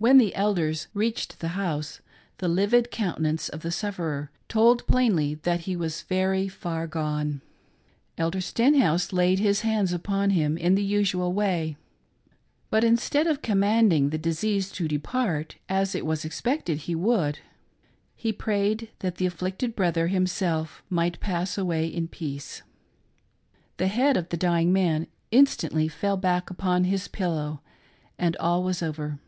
When the elders reached the house, the livid countenance of the sufferer told plainly that he was* very far gone. Elder Stenhouse laid his hands upon him in the usual way, but in stead of commanding the disease to depart, as it was expected he would, he prayed that the afflicted brother himself might pass away in 'peace. The head of the dying man instantly fell back upon his pillow, and all was over.